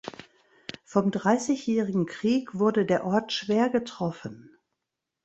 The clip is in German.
Vom Dreißigjährigen Krieg wurde der Ort schwer getroffen.